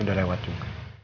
udah lewat juga